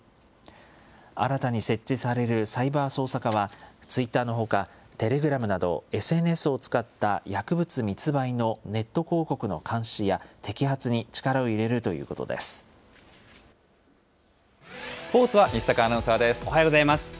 新たに設置されるサイバー捜査課は、ツイッターのほか、テレグラムなど、ＳＮＳを使った薬物密売のネット広告の監視や摘発に力を入れるとスポーツは西阪アナウンサーおはようございます。